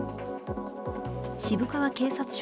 渋川警察署